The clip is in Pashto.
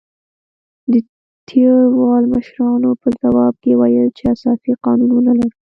د تیورال مشرانو په ځواب کې ویل چې اساسي قانون ونه لرو.